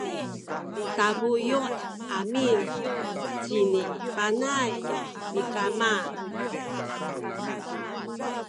tabuyu’ amin cini Panay mikama